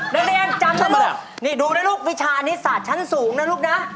เลี้ยงจำนะลูกนี่ดูนะลูกวิชานี้สาดชั้นสูงนะลูกนะ